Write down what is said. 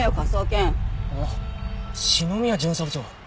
あっ篠宮巡査部長。